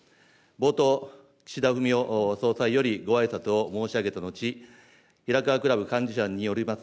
冒頭、岸田文雄総裁よりごあいさつを申し上げたのち、ひらかわくらぶ幹事社によります